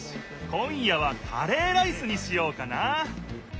今夜はカレーライスにしようかな。